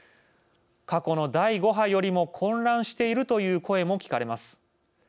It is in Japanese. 過去の第５波よりも混乱しているという声も聞かれます。